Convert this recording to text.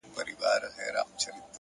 برايي نيمه شپه كي-